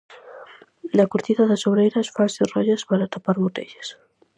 Da cortiza das sobreiras fanse rollas para tapar botellas.